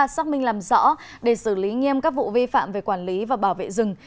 xác minh làm rõ để xử lý nghiêm các vụ vi phạm về quản lý và bảo vệ rừng